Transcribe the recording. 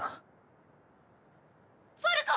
ファルコ！！